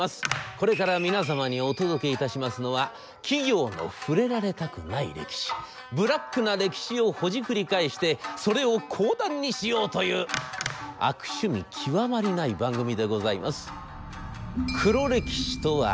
これから皆様にお届けいたしますのは企業の触れられたくない歴史ブラックな歴史をほじくり返してそれを講談にしようという悪趣味極まりない番組でございます。